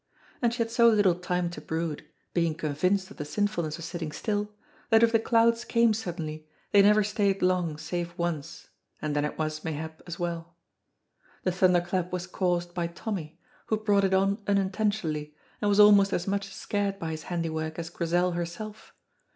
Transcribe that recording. And she had so little time to brood, being convinced of the sinfulness of sitting still, that if the clouds came suddenly, they never stayed long save once, and then it was, mayhap, as well. The thunderclap was caused by Tommy, who brought it on unintentionally and was almost as much scared by his handiwork as Grizel herself.